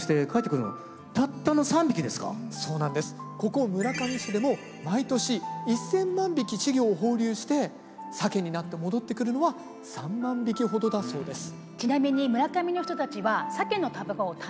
ここ村上市でも毎年１，０００万匹稚魚を放流して鮭になって戻ってくるのは３万匹ほどだそうです。